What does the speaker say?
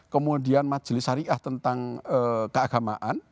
kemudian majelis syariah tentang keagamaan